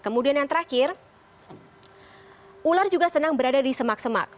kemudian yang terakhir ular juga senang berada di semak semak